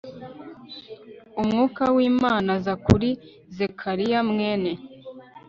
umwuka w imana aza kuri zekariya mwene